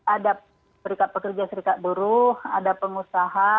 ada serikat pekerja serikat buruh ada pengusaha